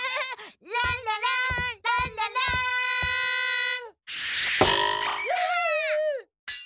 「ランラランランララン」わ！